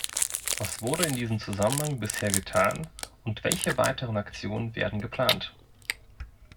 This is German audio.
Was wurde in diesem Zusammenhang bisher getan und welche weiteren Aktionen werden geplant?